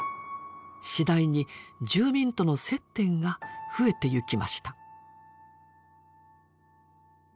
次第に住民との接点が増えていきました。